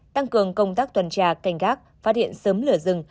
tăng cường công tác tuần tra canh gác phát hiện sớm lửa rừng